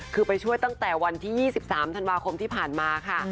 คือไปช่วยตั้งแต่วันที่๒๓ธันวาคมที่ผ่านมาค่ะ